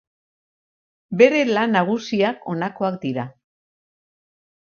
Bere lan nagusiak honakoak dira.